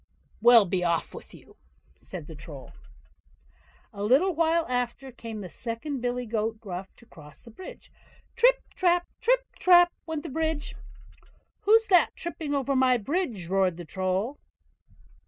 "Well! be off with you", said the Troll. A little while after came the second billy goat Gruff to cross the bridge. "TRIP, TRAP! TRIP, TRAP! TRIP, TRAP!" went the bridge. "WHO'S THAT tripping over my bridge?" roared the Troll.